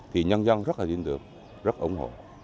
thì nhân dân rất là tin tưởng rất ủng hộ